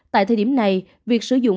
tại thời điểm này việc sử dụng